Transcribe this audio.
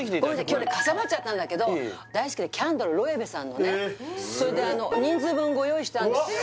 今日ねかさばっちゃったんだけど大好きなキャンドルＬＯＥＷＥさんのねそれであの人数分ご用意してあるんですよ